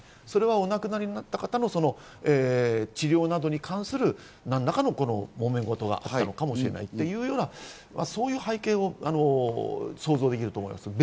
それはお亡くなりになった方の治療などに関する何らかのもめごとがあったのかもしれないというような、そういう背景を想像できると思います。